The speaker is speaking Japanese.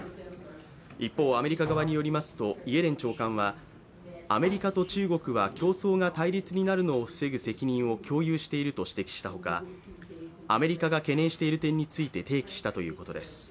一方、アメリカ側によりますとイエレン長官は、アメリカと中国は競争が対立になるのを防ぐ責任を共有していると指摘したほかアメリカが懸念している点について、提起したということです。